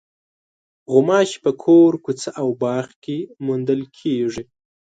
غوماشې په کور، کوڅه او باغ کې موندل کېږي.